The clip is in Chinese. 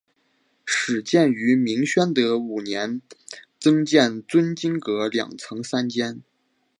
始建于明宣德五年增建尊经阁两层三间。